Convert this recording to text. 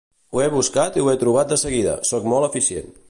Ho he buscat i ho he trobat de seguida, sóc molt eficient